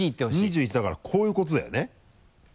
２１だからこういうことだよね。